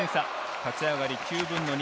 立ち上がり９分の２。